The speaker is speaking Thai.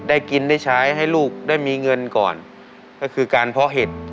ได้กินได้ใช้ให้ลูกได้มีเงินก่อนก็คือการเพาะเห็ด